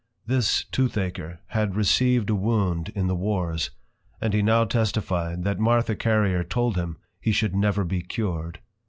This Toothaker, had Received a wound in the Wars; and he now testify'd, that Martha Carrier told him, _He should never be Cured.